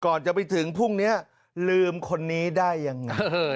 ก่อนจะไปถึงพรุ่งนี้ลืมคนนี้ได้อย่างไร